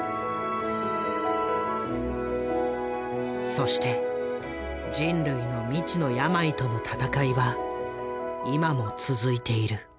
そして人類の未知の病との闘いは今も続いている。